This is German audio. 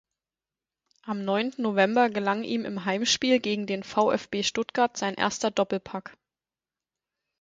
Am neunten November gelang ihm im Heimspiel gegen den VfB Stuttgart sein erster Doppelpack.